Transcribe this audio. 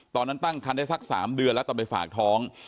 ตอนนั้นตั้งคันได้สัก๓เดือนแล้วตอนไปฝากท้อง